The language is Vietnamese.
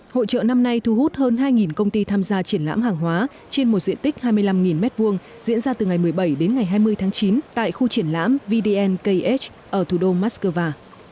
hội trợ năm nay thu hút hơn hai công ty tham gia triển lãm hàng hóa trên một diện tích hai mươi năm m hai diễn ra từ ngày một mươi bảy đến ngày hai mươi tháng chín tại khu triển lãm vdnkh ở thủ đô moscow